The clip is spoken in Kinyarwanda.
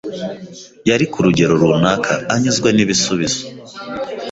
Yari, ku rugero runaka, anyuzwe n'ibisubizo.